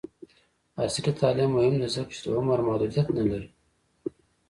عصري تعلیم مهم دی ځکه چې د عمر محدودیت نه لري.